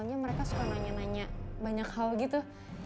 gak pengen nanya banyak hal gitu